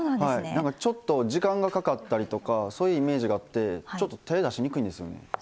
ちょっと時間がかかったりとかそういうイメージがあってちょっと手、出しにくいんですよね。